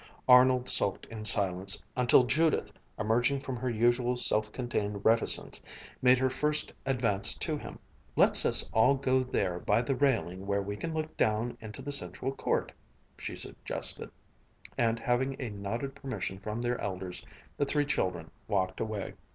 Arnold sulked in silence until Judith, emerging from her usual self contained reticence, made her first advance to him. "Let's us all go there by the railing where we can look down into the central court," she suggested, and having a nodded permission from their elders, the three children walked away.